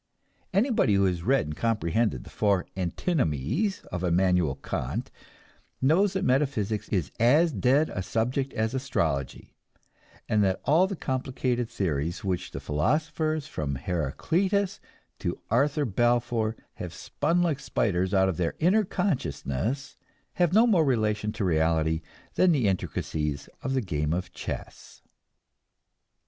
Anybody who has read and comprehended the four "antinomies" of Immanuel Kant[A] knows that metaphysics is as dead a subject as astrology, and that all the complicated theories which the philosophers from Heraclitus to Arthur Balfour have spun like spiders out of their inner consciousness, have no more relation to reality than the intricacies of the game of chess. [A] See Paulsen: "Life of Kant."